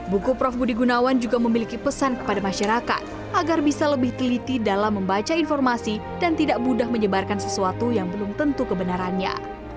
buku prof budi gunawan juga memiliki pesan kepada masyarakat agar bisa lebih teliti dalam membaca informasi dan tidak mudah menyebarkan sesuatu yang belum tentu kebenarannya